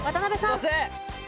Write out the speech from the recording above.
すいません！